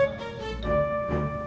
kamu mau ke rumah